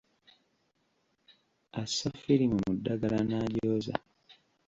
Assa ffirimu mu ddagala n'agyoza.